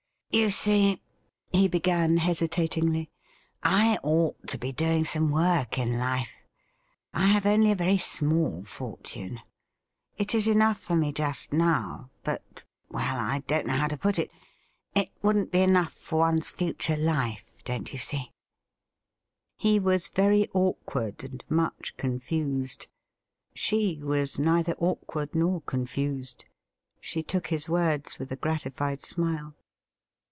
''' You see,' he began hesitatingly, ' I ought to be doing some work in life. I have only a very small fortune. It is enough for me just now ; but — well, I don't know how to put it — it wouldn't be enough for one's future life, don't you see F He was very awkward and much confused. She was neither awkward nor confused. She took his words with a gratified smile.